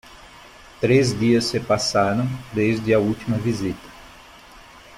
Três dias se passaram, desde a última visita.